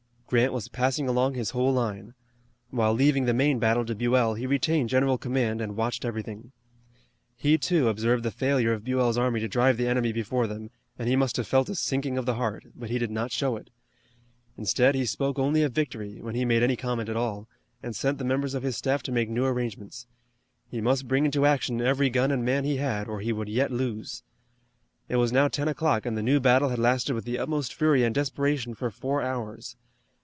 Grant was passing along his whole line. While leaving the main battle to Buell he retained general command and watched everything. He, too, observed the failure of Buell's army to drive the enemy before them, and he must have felt a sinking of the heart, but he did not show it. Instead he spoke only of victory, when he made any comment at all, and sent the members of his staff to make new arrangements. He must bring into action every gun and man he had or he would yet lose. It was now 10 o'clock and the new battle had lasted with the utmost fury and desperation for four hours.